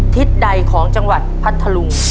ทิศใดของจังหวัดพัทธลุง